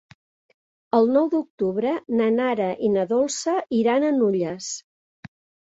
El nou d'octubre na Nara i na Dolça iran a Nulles.